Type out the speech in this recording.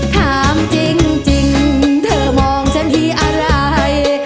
ถามจริงเธอมองฉันทีอะไร